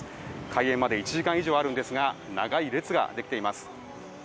開園まで１時間以上あるんですが長い列ができています。